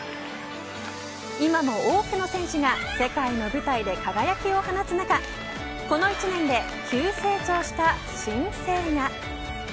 今も多くの選手が世界の舞台で輝きを放つ中この１年で急成長した新星が。